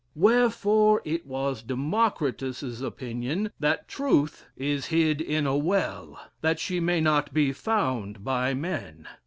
Wherefore it was Democritus's opinion that truth is hid in a well, that she may not be found by men.